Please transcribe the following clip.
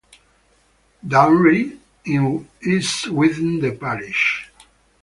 Dounreay is within the parish.